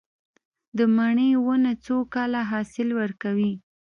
د مڼې ونه څو کاله حاصل ورکوي؟